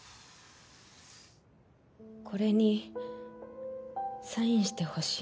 これにサインしてほしいの。